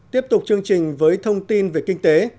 tiếp tục chương trình với thông tin về kinh tế